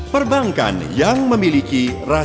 perbankan yang memiliki kredit yang berlebihan